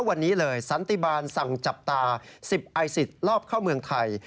วันนี้เลยสันติบาลสั่งจับตา๑๐ไอซิตรอบเข้าเมืองไทย